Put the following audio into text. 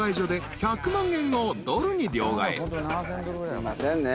すいませんね。